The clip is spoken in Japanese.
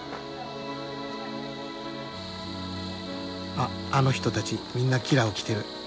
あっあの人たちみんなキラを着てる。